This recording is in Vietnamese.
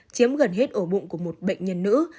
chiếm gần hết ổ bụng của một bệnh nhân nữ